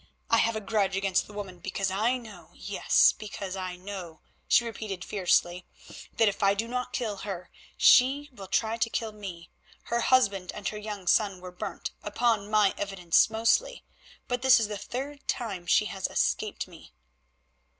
I have a grudge against the woman because I know, yes, because I know," she repeated fiercely, "that if I do not kill her she will try to kill me. Her husband and her young son were burnt, upon my evidence mostly, but this is the third time she has escaped me."